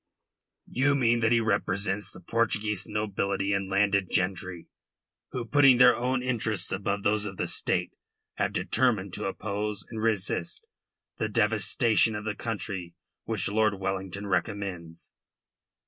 "You mean that he represents the Portuguese nobility and landed gentry, who, putting their own interests above those of the State, have determined to oppose and resist the devastation of the country which Lord Wellington recommends."